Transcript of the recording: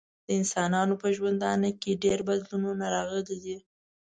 د انسانانو په ژوندانه کې ډیر بدلونونه راغلي دي.